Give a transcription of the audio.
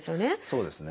そうですね。